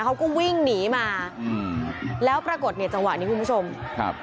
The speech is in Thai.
เขาก็วิ่งหนีมาอืมแล้วปรากฏเนี่ยจังหวะนี้คุณผู้ชมครับ